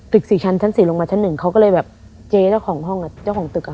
สี่ชั้นชั้นสี่ลงมาชั้นหนึ่งเขาก็เลยแบบเจ๊เจ้าของห้องอ่ะเจ้าของตึกอ่ะ